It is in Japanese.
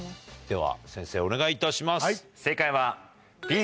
では先生お願いいたします。